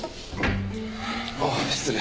あぁ失礼。